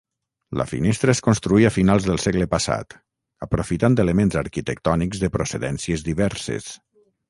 La finestra es construí a finals del segle passat, aprofitant elements arquitectònics de procedències diverses.